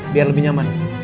biar lebih nyaman